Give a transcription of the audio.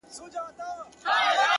چي زموږ څه واخله دا خيرن لاســـــونه-